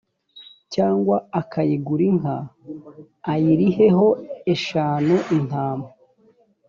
cyangwa akayigura inka ayiriheho eshanu intama